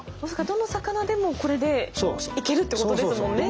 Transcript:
どの魚でもこれでいけるってことですもんね。